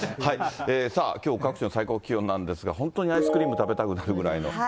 さあ、きょう各地の最高気温なんですが、本当にアイスクリーム食べたくなるぐらいの。